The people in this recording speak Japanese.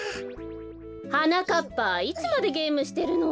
はなかっぱいつまでゲームしてるの？